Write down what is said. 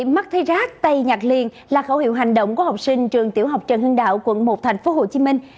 mắt thấy rác tay nhạc liền là khẩu hiệu hành động của học sinh trường tiểu học trần hương đạo quận một thành phố hồ chí minh